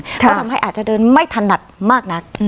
ก็ทำให้อาจจะเดินไม่ถนัดมากนัก